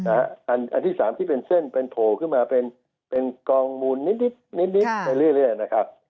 อันที่๓ที่เป็นเส้นเป็นโผล่ขึ้นมาเป็นกองมูลนิดไปเรื่อยนะครับ